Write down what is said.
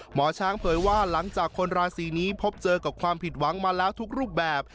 หมอช้างเผยว่าหลังจากคนราศีนี้พบเจอกับความผิดหวังมาแล้วทุกรูปแบบ